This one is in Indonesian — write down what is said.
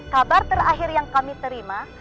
kabar terakhir yang kami terima